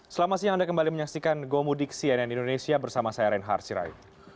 selamat siang anda kembali menyaksikan gomudik cnn indonesia bersama saya reinhard sirait